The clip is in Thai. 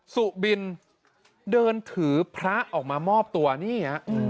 สุบินเดินถือพระออกมามอบตัวนี่ฮะ